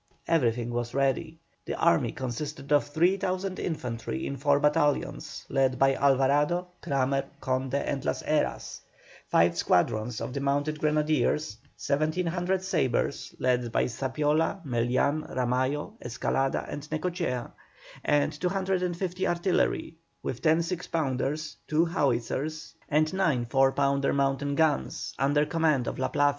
Everything was ready. The army consisted of 3,000 infantry in four battalions, led by Alvarado, Cramer, Conde and Las Heras; five squadrons of the mounted grenadiers, 700 sabres, led by Zapiola, Melian, Ramallo, Escalada, and Necochea; and 250 artillery, with ten 6 pounders, two howitzers, and nine 4 pounder mountain guns, under command of La Plaza.